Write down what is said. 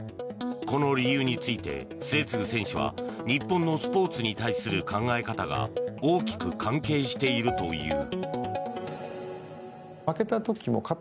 この理由について、末續選手は日本のスポーツに対する考え方が大きく関係しているという。